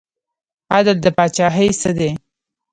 عدل د پاچاهۍ څه دی؟